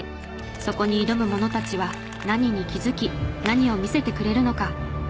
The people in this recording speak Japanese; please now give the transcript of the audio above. そこに挑む者たちは何に気づき何を見せてくれるのか。